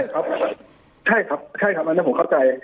ใช่ครับใช่ครับใช่ครับอันนี้ผมเข้าใจ